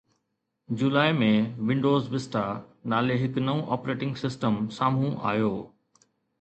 جولاءِ ۾، Windows Vista نالي هڪ نئون آپريٽنگ سسٽم سامهون آيو